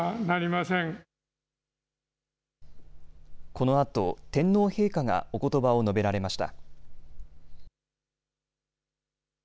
このあと天皇陛下がおことばを述べられました。